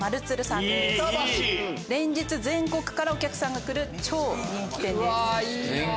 連日全国からお客さんが来る超人気店です。